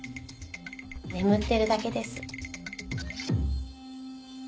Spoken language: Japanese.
眠ってるだけです。